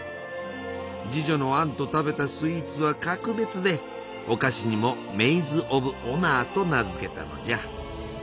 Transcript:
侍女のアンと食べたスイーツは格別でお菓子にも「メイズ・オブ・オナー」と名付けたのじゃ。